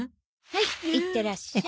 はいいってらっしゃい。